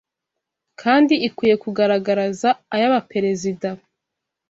kandi ikwiye kugaragaraza ay’abaperezida